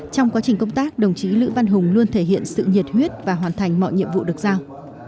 trong quá trình công tác đồng chí lữ văn hùng luôn thể hiện sự nhiệt huyết và hoàn thành mọi nhiệm vụ được giao